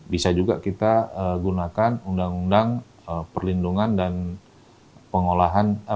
bisa juga kita gunakan undang undang perlindungan dan pengolahan